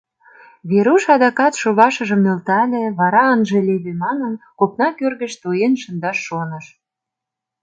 Веруш адакат шовашыжым нӧлтале, вара, ынже леве манын, копна кӧргыш тоен шындаш шоныш.